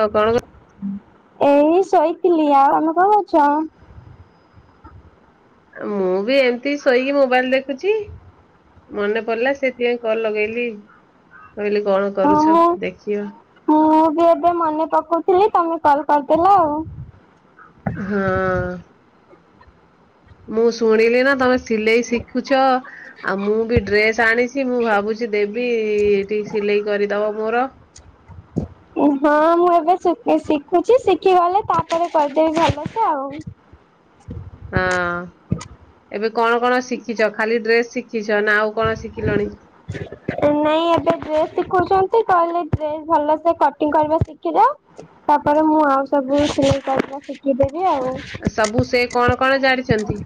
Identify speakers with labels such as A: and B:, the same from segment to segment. A: ଆଉ କଣ
B: ଏଇ ଶୋଇଥିଲି ଆଉ ଆମେ କଣ କରୁଛ?
A: ମୁଁ ବି ଏମିତି ଶୋଇକି ମୋବାଇଲ ଦେଖୁଛି। ମନେ ପଡିଲା ସେଥିପାଇଁ କଲ ଲଗେଇଲି। କହିଲି କଣ କରୁଛ
B: ହଁମୁଁ
A: ଦେଖିବା।
B: ମୁଁ ବି ଏବେ ମନେ ପକାଉଥିଲି ତମ କଲ କରିଦେଲ ଆଉ।
A: ହଁ। ମୁଁ ଶୁଣିଲି ନା ତମେ ସିଲେଇ ଶିଖୁଛ ଆଉ ମୁଁ ବି ଡ୍ରେସ ଆଣିଛି ମୁଁ ଭାବୁଛି ଦେବି ସେ ଏଠି ସିଲେଇ କରିଦବ ମୋର।
B: ହଁ ମୁଁ ଏବେ ଶିଖି ଶିଖୁଛି ଶିଖି ଗଲେ ତାପରେ କରିଦେବି ଭଲସେ ଆଉ।
A: ହଁ ଏବେ କଣ କଣ ଶିଖିଛ ଖାଲି ଡ୍ରେସ୍ ଶିଖିଛ ନା ଆଉ କଣ ଶିଖିଲଣି?
B: ନାଇଁ ଏବେ ଡ୍ରେସ୍ ଶିଖୁଛି କହିଲେ ଡ୍ରେସ ଭଲସେ କଟିଂ କରିବା ଶିଖି ଯାଅ ତାପରେ ମୁଁ ଆଉ ସବୁ ସିଲେଇ କ ଶିଖିଦେ
A: ସବୁ ସେ କଣ କଣ ଜାଣିଛନ୍ତି?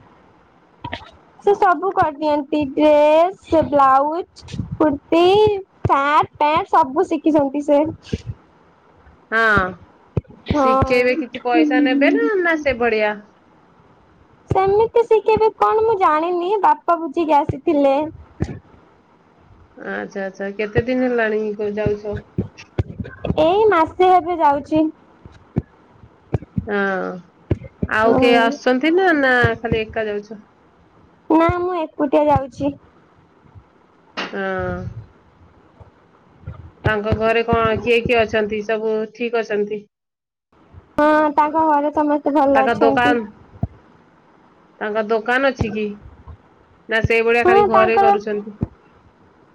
B: ସେ ସବୁ କରିଦିଅନ୍ତି ଡ୍ରେସ ସେ ବ୍ଲାଉଜ କୁର୍ତି ସାର୍ଟ ସେ ସବୁ ଶିଖିଛନ୍ତି ସେ।
A: ହଁ ଶିଖେଇବେ କିଛି ପଇସା ନେବେ
B: ହଁ।
A: ନା ନା ସେ ଭଳିଆ?
B: ସେମିତି ଶିଖିବି କଣ ମୁଁ ଜାଣିନି ବାପା ବୁଝିକି ଆସିଥିଲେ।
A: ଆଚ୍ଛା ଆଚ୍ଛା କେତେ ଦିନ ହେଲାଣି ଯାଉଛ?
B: ସିଏ ଏବେ ଯାଉଛି
A: ହଁ ଆଉ
B: ଉଁ
A: କିଏ ଆସୁଛନ୍ତି ନା ନା ଖାଲି ଏକା ଯାଉଛ
B: ନା ମୁଁ ଏକୁଟିଆ ଯାଉଛି
A: ହଁ ତାଙ୍କ ଘରେ କଣ କିଏ କିଏ ଅଛନ୍ତି ସବୁ ଠିକ ଅଛନ୍ତି
B: ହଁ ତାଙ୍କ ଘରେ ସମସ୍ତେ ଭଲ
A: ତାଙ୍କ ଦୋକାନ
B: ଅଛନ୍ତି
A: ତାଙ୍କ ଦୋକାନ ଅଛି କି ନା ସେଇଭଳିଆ
B: ହଁ
A: ଖାଲି ଘରେ
B: ତାଙ୍କର
A: କରୁଛନ୍ତି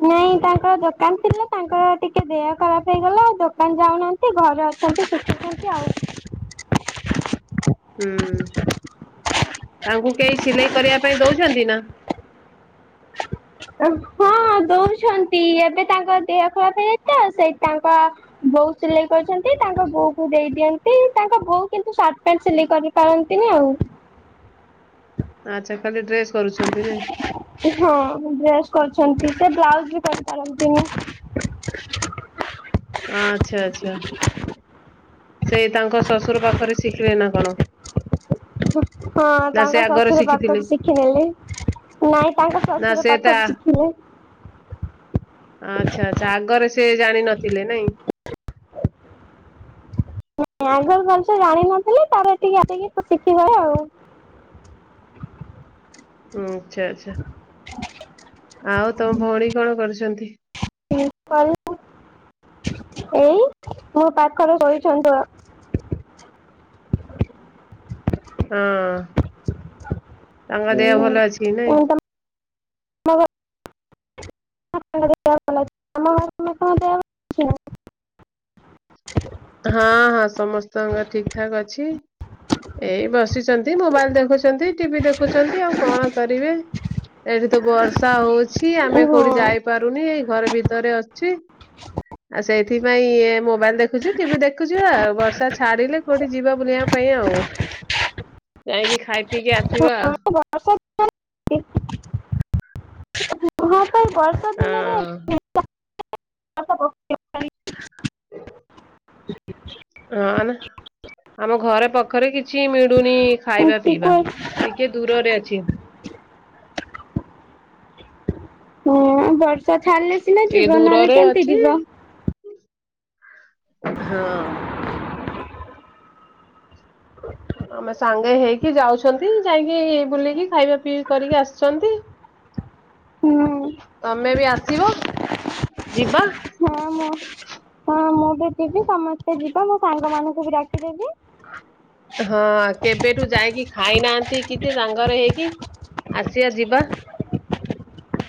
B: ନାଇଁ ତାଙ୍କର ଦୋକାନ ଥିଲା ତାଙ୍କର ଟିକେ ଦେହ ଖରାପ ହେଇଗଲା ଦୋକାନ ଯାଉନାହାନ୍ତି ଘରେ ଅଛନ୍ତି ଶିଖୁଛନ୍ତି ଆଉ [inaudible]
A: ହୁଁ ତାଙ୍କୁ କେହି ସିଲେଇ କରିବା ପାଇଁ ଦଉଛନ୍ତି
B: ହଁ ଦଉଛନ୍ତି ଏବେ ତାଙ୍କ ଦେହ ଖରାପ ହେଇଯାଇଛି ତ ସେଇ ତାଙ୍କ ବୋଉ ସିଲେଇ କରିଛନ୍ତି ତାଙ୍କ ବୋଉ କୁ ଦେଇ ଦିଅନ୍ତି ତାଙ୍କ ବୋଉ କିନ୍ତୁ ସାର୍ଟ ପ୍ୟାଣ୍ଟ ସିଲେଇ କରି ପାରନ୍ତିନି। ଆଉ।
A: ଆଚ୍ଛା। ଖାଲି ଡ୍ରେସ କରୁଛନ୍ତି ନାଇଁ
B: ହଁ ମୁ ଡ୍ରେସ୍ କରଛି ସେ ବ୍ଲାଉଜ ବି କରିପାରନ୍ତିନି।
A: ଆଚ୍ଛା ଆଛା। ସେ ତାଙ୍କ ଶ୍ୱଶୁର ପାଖରେ ଶିଖିବେ ନା କଣ?
B: ହଁ
A: ନା ସେ
B: ତାଙ୍କ
A: ଆଗରେ
B: ଶ୍ୱଶୁର ପାଖ
A: ଶିଖିଥିଲେ
B: ଶିଖ୍ ଖିନେଲେ ନାଇଁ ତାଙ୍କ
A: ନା
B: ଶ୍ୱଶୁର
A: ସେ ତା
B: ପାଖରୁ ଶିଖିଲେ।
A: ଆଚ୍ଛା ଆଚ୍ଛା ଆଗରେ ସେ ଜାଣିନଥିଲେ ନାଇଁ?
B: ଆଗରୁ ଭାଲ ସେ ଜାଣିିନଥିଲି ତାପରେ ଏଠିକି ଆସିକି ଶିଖିଗଲେ ଆଉ। [inaudible]
A: ହଁ ଆଛା ଆଚ୍ଛା ଆଉ ତମ ଭଉଣୀ କଣ କରୁଛନ୍ତି?
B: ମୁଁ କଲୁ ଏଇ ମୁଁ ପାଖର କରିଛନ୍ତ୍। [inaudible]
A: ହଁ ତାଙ୍କ ଦେହ ଭଲ ଅଛିକି ନାଇଁ?
B: ମୋ [unintelligible]
A: ହଁ ହଁ ସମସ୍ତଙ୍କର ଠିକ ଠାକ୍ ଅଛି। ଏଇ ବସିଛନ୍ତି ମୋବାଇଲ ଦେଖୁଛନ୍ତି ଟିଭି ଦେଖୁଛନ୍ତି ଆଉ କଣ କରିବେ। ଏଠି ତ ବର୍ଷା ହଉଛି ଆମେ କୋଉଠି ଯାଇପାରୁନି। ଘର ଭିତରେ ଅଛି ଆଉ ସେଥିପାଇ ଇ ମୋବାଇଲ ଦେଖ ଦେଖୁଛୁ ଟିଭି ଦେଖୁଛୁ ଆଉ ବର୍ଷା ଛାଡିଲେ କୋଉଠି ଯିବା ବୁଲିବା ପାଇଁ ଆଉ। ଯାଇକି ଖାଇ ପିଇକି ଆସ
B: ବର୍ଷ [unintelligible] ହ।
A: ହଁ
B: ବର୍ଷ ଦିନରେ [unintelligible]
A: ହ ହଁ ନା ଆମ ଘରେ ପାଖରେ କିଛି ମିଳୁ ଲୁଣି ଖାଇବା ପିଇବା
B: ପକେଇଲାଣି।
A: ଟିକେ ଦୂରରେ ଅଛି।
B: ହୁଁ ବର୍ଷା ଛାଡ଼ିଲେ ସିନା
A: ଟିକେ
B: ଯିବ ନହେଲେ
A: ଦୂରରେ
B: କେମିତି
A: ଅଛି
B: ଯିବ।
A: ହଁ। ଆମେ ସାଙ୍ଗେ ହେଇକି ଯାଉଛନ୍ତି ଯାଇକି ବୁଲିକି ଖାଇବା ପିଇ କରିକି ଆସିଛନ୍ତି।
B: [inaudible]
A: ତମେ ବି ଆସିବ ଯିବା।
B: ହଁ ମୁଁ ଯିବ ମୁଁ ସାଙ୍ଗମାନାନଙ୍କୁ ବି ଡାକିଦେବି।
A: ହଁ କେବେଠୁ ଯାଇକି ଖାଇନାହାନ୍ତି କିଛି ସାଙ୍ଗରେ ହେଇକି। ଆସିବା ଯିବା।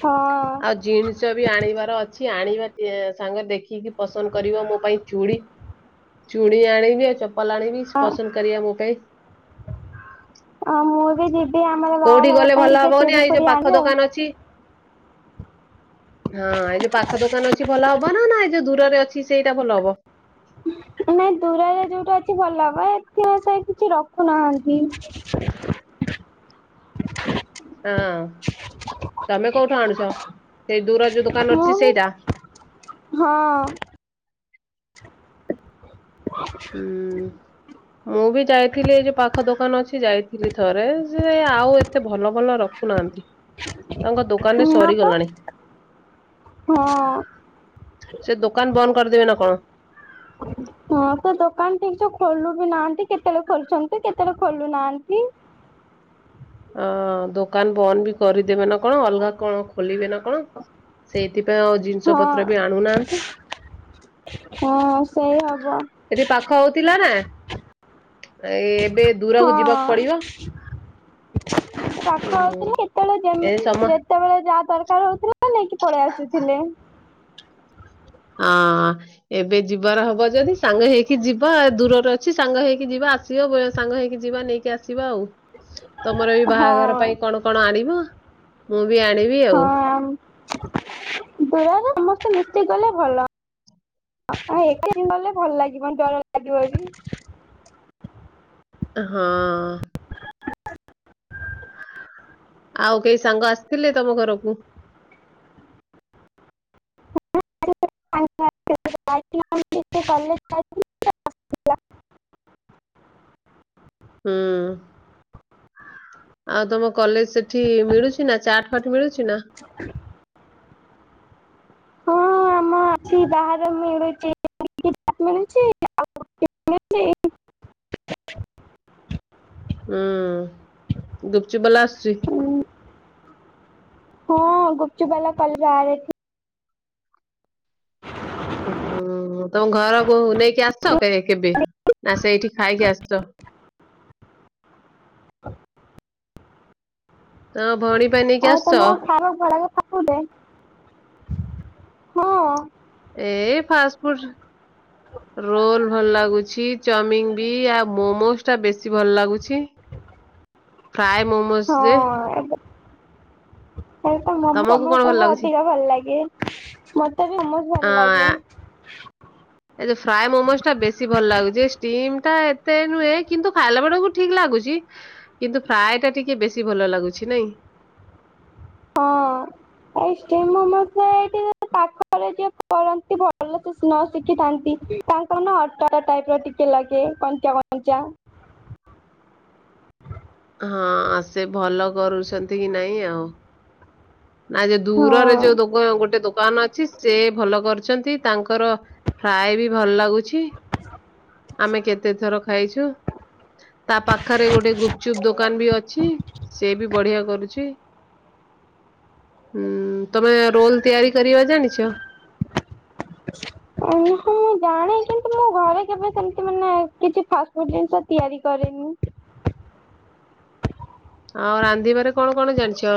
B: ହଁ
A: ଆଉ ଜିନିଷ ବି ଆଣିବାର ଅଛି ଆଣିବା। ସାଙ୍ଗରେ ଦେଖିକି ପସନ୍ଦ କରିବ ମୋ ପାଇଁ ଚୁଡ଼ି ଚୁଡ଼ି ଆଣିବି ଆଉ ଚପଲ ଆଣି ପସନ୍ଦ କରବ ମୋ ପାଇଁ
B: ଆଉ ମୁଁ ବି ଯିବି ଆମର
A: କୋଉଠି
B: ବାହାଘର
A: ଗଲେ
B: ପାଇଁ
A: ଭଲ
B: ଟିକେ
A: ହବନି
B: ଚୁଡି
A: ଆଇ
B: ଫୁଡି
A: ଯୋଉ
B: ଆଣିବି
A: ପାଖ ଦୋକାନ ଅଛି। ହଁ ଏ ଯୋଉ ପାଖ ଦୋକାନ ଅଛି ଭଲ ହବ ନା ନା ଏଇ ଯୋଉ ଦୂରରେ ଅଛି ସେଇଟା ଭଲ ହବ।
B: ନାଇଁ ଦୂୁରରେ ଯୋଉଟା ଅଛି ଭଲ ହବ ଏଥିସ କିଛି ରଖୁନାହାନ୍ତି।
A: ହଁ। ତମେ କୋଉଠୁ ଆଣୁଛ ସେଇ ଦୂର ଯୋଉ ଦୋକାନ ଅଛି
B: ମୁଁ
A: ସେଇଟା?
B: ହଁ।
A: ହୁଁ ମୁଁ ବି ଯାଇଥିଲି ଏଇ ଯୋଉ ପାଖ ଦୋକାନ ଅଛି ଯାଇି ଥିଲି ଥରେ ସେ ଆଉ ଏତେ ଭଲ ଭଲ ରଖୁନାହାନ୍ତି। ତାଙ୍କ ଦୋକାନ ରେ
B: ନା ପା
A: ସରିଗଲାଣି।
B: ହଁ।
A: ସେ ଦୋକାନ ବନ୍ଦ କରିଦେବେ ନା କଣ?
B: ହଁ ହଁ ତ ଦୋକାନ ଟିକସେ ଖୋଲୁ ବି ନାହାନ୍ତି କେତେବେଳେ ଖୋଲୁଛନ୍ତି କେତେବେଳେ ଖୋଲୁ ନାହାନ୍ତି। [inaudible]
A: ଅ ଦୋକାନ ବନ୍ଦ ବି କରିଦେବେ ନା କଣ ଅଲଗା କଣ ଖୋଲିବେ ନା କଣ ସେଇ ସେଥିପାଇଁ ଆଉ ଜିନିଷ ପତ୍ର
B: ହଁ
A: ବି ଆଣୁନାହାନ୍ତି।
B: ହଁ ସେଇ ହବ
A: ଏଠି ପାଖ ହଉଥିଲା ନା ଏ ଏବେ ଦୂରକୁ ଯିବାକୁ
B: ହଁ।
A: ପଡିବ।
B: [inaudible]
A: ହୁଁ।
B: ପାଖ ହଉଥିଲା କେତେବେଳେ
A: ଏ
B: ଯେମିତି
A: ସମ
B: ଯେତେବେଳେ ଯାହା ଦରକାର ହଉଥିଲା ନେଇକି ପଳେଇ ଆସୁଥିଲେ।
A: ଆଁ ଏବେ ଯିବାର ହବ ଯଦି ସାଙ୍ଗ ହେଇକି ଯିବା ଦୂରରେ ଅଛି ସାଙ୍ଗ ହେଇକି ଯିବା ଆସିବା ସାଙ୍ଗ ହେଇକି ଯିବା ନେଇକି ଆସିବା ଆଉ ତମର ବି
B: ହଁ
A: ବାହାଘର ପାଇଁ କଣ କଣ ଆଣିବ ମୁଁ ବି ଆଣିବି
B: ହଁ
A: ଆଉ
B: ଆ ଦୁର ରେ ସମସ୍ତେ ମିଶିକି ଗଲେ ଭଲ। ଏକା ବି ଗଲେ ଭଲ ଲାଗିବନି ଡର ଲାଗିବ ବେଶୀ।
A: ହଁ ଆଉ କେହି ସାଙ୍ଗ ଆସିଥିଲେ ତମ ଘରକୁ?
B: [unintelligible] [inaudible]
A: ହୁଁ ଆଉ ତମ କଲେଜ ସେଠି ମିଳୁଛି ନା ଚାଟ ଫାଟ ମିଳୁଛି ନା
B: ହଁ ଆମ ଅଛି ବାହାରେ ମିଳୁଛି ମିଳଛି ଆଉ ମିଳୁଚି
A: ହୁଁ ଗୁପଚୁପ ବଲା ଆସୁଛି
B: ହଁ ଗୁପଚୁପ ବାଲା କାଲି [unintelligible]
A: ହୁଁ ତମ ଘରକୁ ନେଇକି ଆସିଛନ୍ତି କେବେ? ନା ସେଇଠି ଖାଇକି ଆସଛ। ହଁ [unintelligible]
B: ଆଉ ତମ ଖାଇବାକୁ ଭଡା କେତେ ଟଙ୍କା ନୋଉଚେ ହଁ
A: ଏ ଫାଷ୍ଟ ଫୁଡ ରୋଲ ଭଲ ଲାଗୁଛି ଚାଉମିିନ ବି ଆଉ ମୋମୋ ଟା ବେଶୀ ଭଲ ଲାଗୁଛି।
B: [inaudible]
A: ଫ୍ରାଏ ମୋମୋଜ ଦେ
B: ଏ ତ ମୋମୋ
A: ତମକୁ କଣ ଭଲ
B: ସମସ୍ତିଙ୍କୁ
A: ଲାଗୁଛି?
B: ଅଧିକ ଭଲ ଲାଗେ। ମତେ ବି ବିହୁତ ଭଲ
A: ଆଁ,
B: ଲାଗେ।
A: ଏ ଯେଉ ଫ୍ରାଏ ମୋମୋଜ ଟା ବେଶୀ ଭଲ ଲାଗୁଛି ଷ୍ଟିମ୍ ଟା ଏତେ ନୁହେଁ କିନ୍ତୁ ଖାଇଲା ବେଳକୁ ଠିକ ଲାଗୁଚି। କିନ୍ତୁ ଫ୍ରାଏ ଟା ଟିକେ ବେଶୀ ଭଲ ଲାଗୁଛି ନାଇଁ
B: ହଁ ଏଇ ଷ୍ଟିମ୍ ମୋମୋ ସେ ଏଇଠି ପାଖରେ ଯିଏ କରନ୍ତି ଭଲ ସେ ନ ଶିଖିଥାନ୍ତି। ତାଙ୍କର ନା ଅଟା ଟା ଟାଇପ ର ଟିକେ ଲାଗେ କଞ୍ଚା କଞ୍ଚା। [inaudible]
A: ହଁ ଆ ସେ ଭଲ କରୁଚନ୍ତି କି ନାଇଁ ଆଉ ନା ଯେ
B: ହଁ।
A: ଦୂରରେ ଯୋଉ ଦୋକ ଗୋଟେ ଦୋକ ଦୋକାନ ଅଛି ସେ ଭଲ କରୁଛନ୍ତି ତାଙ୍କର ଫ୍ରାଏ ବି ଭଲ ଲାଗୁଛି। ଆମେ କେତେ ଥର ଖାଇଛୁ। ତା ପାଖରେ ଗୋଟେ ଗୁପଚୁପ ଦୋକାନ ବି ଅଛି ସେ ବି ବଢିଆ କରୁଛି। ହୁଁ ତମେ ରୋଲ ତିଆରି କରିବା ଜାଣିଛ?
B: [inaudible] ଉଁ ହଁ ମୁଁ ଜାଣେ କିନ୍ତୁ ମୁ ଘରେ କେବେ ସେମତି ମାନେ କିଛି ଫାଷ୍ଟ ଫୁଡ ଜିନିଷ ତିଆରି କରି ହୁଁ।
A: ଆଉ ରାନ୍ଧିବାରେ କଣ କଣ ଜାଣିଛ?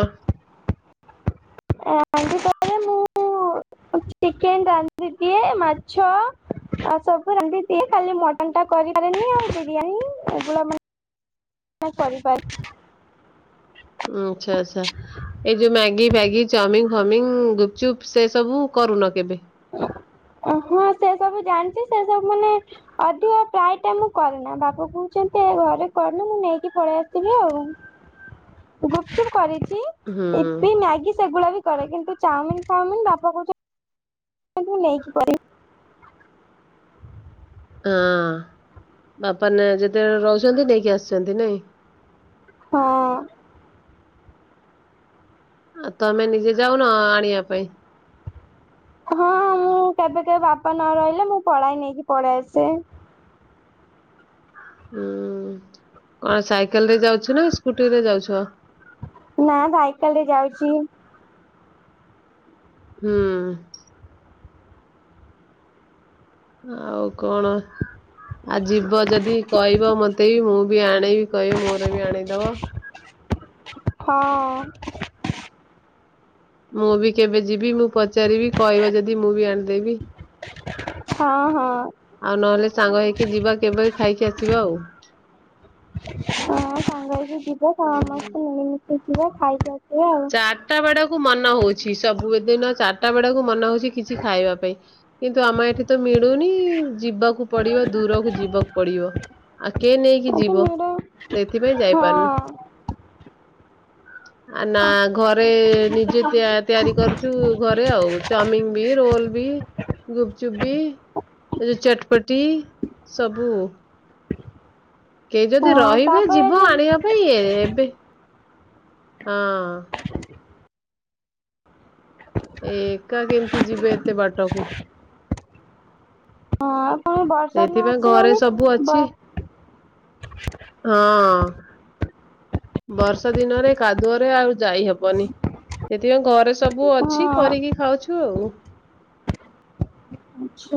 B: ରାନ୍ଧିବାରେ ମୁଁ ଚିକେନ୍ ରାନ୍ଧି ଦିଏ ମାଛ ଆ ସବୁ ରାନ୍ଧି ଦିଏ ଖାଲି ମଟନ ଟା କରି ପାରେନି ଆଉ ବିରିୟାନୀ [unintelligible] ଆ କରିପାରେ।
A: ଉଁ ଆଚ୍ଛା ଆଚ୍ଛା ଏଇ ଯୋଉ ମ୍ୟାଗି ଫ୍ୟାଗି ଚାଓମିନ ଫାଉମିିନ ଗୁପଚୁପ୍ ସେ ସବୁ କ କରୁନ କେବେ?
B: ହ ଓ ହଁ ସେ ସବୁ ଜାଣିଛି ସେ ସବୁ ମାନେ ଅଧିକ ପ୍ରାୟ ଟା ମୁଁ କରେନା ବାପା କହୁଛନ୍ତି ତେ ଘରେ କରେନି ମୁଁ ନେଇକି ପଳେଇ ଆସିିବି ଆଉ ଗୁପ ଚୁପ୍ କରିି ଚି
A: ହୁଁ
B: ମ୍ୟାଗି ସେଗୁଡା ବି କରେ କିନ୍ତୁ ଚାଉମିିନ ଫାଉମିିନ ବାପା କହୁଛନ୍ତି ନେଇକି କଲି
A: ହଁ ବାପା ନେ ଯେତେବେଳେ ରହୁଛନ୍ତି ନେଇକି ଆସିଛନ୍ତି ନାଇଁ।
B: ହଁ।
A: ଆଁ ତମେ ନିଜେ ଯାଉନ ଆଣି
B: ହଁ ମୁଁ କେବେ ବାପା ନ ରହିଲେ ମୁଁ ପଳାଏ ନେଇକି ପଳେଇ ଆସେ।
A: ହୁଁ କଣ ସାଇକେଲ ରେ ଯାଉଛ ନା ସ୍କୁଟି ରେ ଯାଉଛ?
B: ନା ସାଇକେଲ୍ ରେ ଯାଉଛି।
A: ହୁଁ। ଆଉ କଣ ଆଁ ଯିବ ଯଦି କହିବ ମତେ ବି ମୁଁ ବି ଆଣିବି। କହିବି ମୋର ବି ଆଣି ଦବ।
B: ହଁ।
A: ମୁଁ ବି କେବେ ଯିବି ମୁଁ ପଚାରିବି କହିବ ଯଦି ମୁଁ ବି ଆଣିଦେବି?
B: ହଁ ହଁ।
A: ଆଉ ନହେଲେ ସାଙ୍ଗ ହେଇକି ଯିବା କେବେ ଖାଇକି ଆସିବା ଆଉ।
B: ହଁ ସାଙ୍ଗ ହେଇକି ଯିବା ସମ
A: ଆଉ।
B: ସମସ୍ତେ ମିଳିମଶି ଯିବ ଖାଇକି ଆସି
A: ଚାରଟା ବେଳକୁ ମନେ ହଉଛି ସବୁ ଦିନ ଚାରିଟା ବେଳକୁ ମନ ହଉଛି କିଛି ଖାଇବା ପାଇଁ କିନ୍ତୁ ଆମ ଏଠି ତ ମିଳୁନି ଯିବାକୁ ପଡିବ ଦୂରକୁ ଯିବାକୁ ପଡି ପଡିବ ଆଉ କେ ନେଇକି
B: ଗୋଟେ
A: ଯିବ
B: ମେଢ
A: ସେଥିପାଇଁ
B: ହଁ
A: ଯାଇପାରୁନି। ନା ଘରେ ନିଜେ ତିଆ ତିଆରି କରୁଛୁ ଘରେ ଆଉ ଚାଉମିନ ବି ରୋଲ ବି। ଗୁପଚୁପ୍ ବି ଏ ଚଟ୍ ପଟି ସବୁ। କେ ଯଦି
B: ହଁ
A: ରହିବେ
B: ତାପରେ
A: ଯିବ
B: ଯୋଉ
A: ଆଣିବା ପାଇଁ ଏ ଏବେ। ହଁ। ଏ ଏକା କେମିତି ଯିବେ ଏତେ ବାଟକୁ?
B: ହଁ। ପୁଣି ବର୍ଷା ଦିନ
A: ସେଇଥିପାଇଁ ଘରେ
B: ଆସିଲାଣି
A: ସବୁ
B: ବ
A: ଅଛି ହଁ। ବର୍ଷା ଦିନରେ କାଦୁଅରେ ଆଉ ଯାଇ ହେବନି ସେଥିପାଇଁ ଘରେ ସ ସବୁ
B: ହଁ
A: ଅଛି କରିକି ଖାଉଛୁ ଆଉ।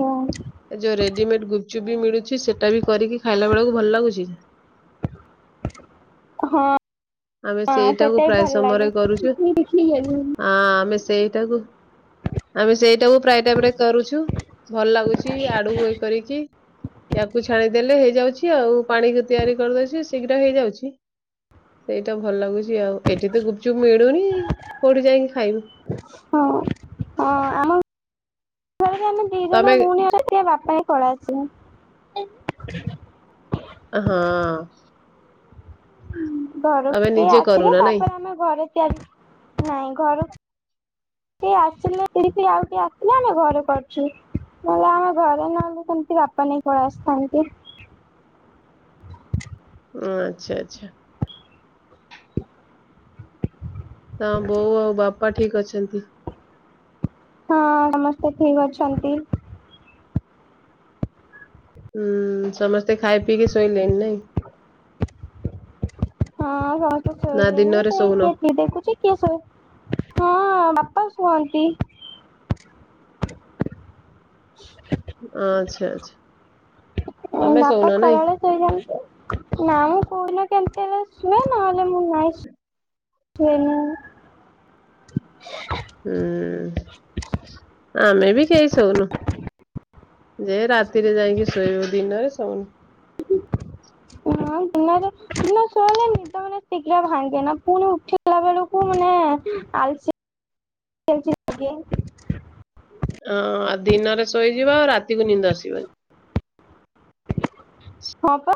B: ଆଛା।
A: ରେଦିମେଡ ଗୁପ୍ ଚୁପ୍ ବି ମିଳୁଛି ସେଇଟା ବି କରିକି ଖାଇଲା ବେଳକୁ ଭଲ ଲାଗୁଛି।
B: ହଁ।
A: ଆମେ
B: ହଁ
A: ସେଇଟାକୁ
B: ସେଇଟା ବି
A: ପ୍ରାୟ
B: ଭଲ
A: ସମୟରେ କରୁଛୁ
B: ଲାଗେ।
A: ଆ ଆମେ ସେଇଟାକୁ
B: ହ
A: ଆମେ ସେଇଟାକୁ ପ୍ରାୟ ଟାଇମ ରେ କରୁଛୁ ଭଲ ଲାଗୁଛି ଆଡୁ ଇଏ କରିକି। ୟାକୁ ଛାଣିଦେଲେ ହେଇଯାଉଛି ଆଉ ପାଣିକୁ ତିଆରି କରିଦଉଛି ଶୀଘ୍ର ହେଇଯାଉଛି। ସେଇଟା ଭଲ ଲାଗୁଛି ଆଉ ଏଠି ତ ଗୁପଚୁପ୍ ମିଳୁନି କୋଉଠି ଯାଇକି ଖାଇବୁ।
B: ହଁ ହଁ ଆମ ଘରେ ଆମେ ଦି ଜଣ
A: ତମେ
B: ମୁୁଣି [unintelligible] ବାପା ନେଇ ପଳେଇ ଆସିବେ।
A: ଅ ହଁ।
B: ହୁଁ ଘରକୁ
A: ତମେ
B: କେହି
A: ନିଜେ
B: ଆସିଲେ
A: କରୁନା ନାଇଁ
B: ତାପରେ ଆମେ ଘରେ ତିଆରି ନାଇଁ ଘର ଆ କେ ଆସିଲେ କିଡ଼ିକି ଆଉ କିଏ ଆସିଲେ ଆମେ ଘରେ କରୁଛୁ ନହେଲେ ଆମେ ଘରେ ନହେଲେ ସେମିତି ବାପା ନେଇ ପଳେଇ ଆସିଥାନ୍ତି।
A: ଅଁ ଆଚ୍ଛା ଆଚ୍ଛା। ତମ୍ ବୋଉ ଆଉ ବାପା ଠିକ୍ ଅଛନ୍ତି?
B: ହଁ ସମସ୍ତେ ଠିକ୍ ଅଛନ୍ତି।
A: ହୁଁ ସମସ୍ତେ ଖାଇ ପିଇକି ଶୋଇଲେଣି ନାଇଁ।
B: ହଁ ହଁ ତ
A: ନା
B: ଶୋଇଲେଣିି
A: ଦିନରେ
B: କିଏ
A: ଶୋଉନ
B: ଟିଭି ଦେଖୁଛି କିଏ ଶୋଇ ହଁ ଅଁ ବାପା ସୁଅନ୍ତି।
A: ଆଚ୍ଛା ଆଚ୍ଛା। ତମେ
B: ବାପା
A: ଶୋଉନ ନାଇଁ?
B: ଖରାବେଳେ ଶୁଇ ଜାଆନ୍ତି ନାଇଁ କହିଲ କେମିତି ଏବେ ଶୁଏ ନହେଲେ ମୁଁ ନାଇଁ ଶୁଏନି ମୁଁ।
A: ହୁଁ ଆମେ ବି କେଇ ଶୋଉନୁ। ଯେ ରାତିରେ ଯାଇକି ଶୋଇବ ଦିନରେ ଶୋଉନୁ।
B: ହଁ ଦିନରେ ଦିନରେ ଶୋଇଲେ ନିଦ ମାନେ ଶିଘ୍ର ଭାଙ୍ଗେନା ପୁଣି ଉଠିଲା ବେଳୁକୁ ମାନେ ଆଲ୍ ଚି ଆଲ୍ ଚି ଲାଗେ।
A: ହଁ ଆଉ ଦିନରେ ଶୋଇଯିବ ଆଉ ରାତିକୁ ନିନ୍ଦ ଆସିବନି।
B: ହଁ ପା।